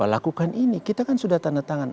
lakukan ini kita kan sudah tanda tangan